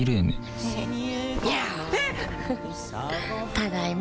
ただいま。